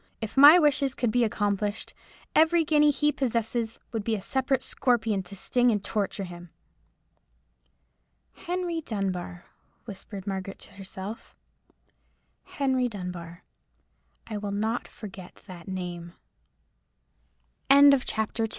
If my wishes could be accomplished, every guinea he possesses would be a separate scorpion to sting and to torture him." "Henry Dunbar," whispered Margaret to herself—"Henry Dunbar. I will not forget that name." CHAPTER III.